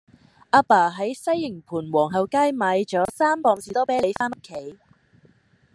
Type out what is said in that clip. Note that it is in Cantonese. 亞爸喺西營盤皇后街買左三磅士多啤梨返屋企